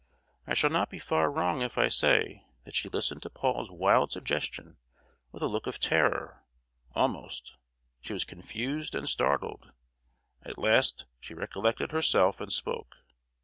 I shall not be far wrong if I say that she listened to Paul's wild suggestion with a look of terror, almost: she was confused and startled; at last she recollected herself, and spoke.